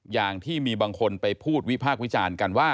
อย่างที่มีบางคนไปพูดวิพากษ์วิจารณ์กันว่า